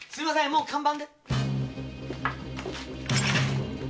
もう看板！